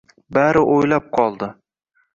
Bari o‘ylab qoldi.